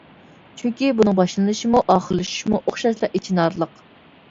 چۈنكى بۇنىڭ باشلىنىشىمۇ، ئاخىرلىشىشىمۇ ئوخشاشلا ئېچىنارلىق.